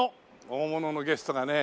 大物のゲストがね